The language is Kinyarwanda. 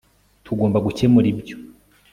tugomba gukemura ibyo